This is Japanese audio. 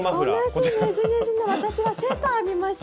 同じねじねじの私はセーター編みました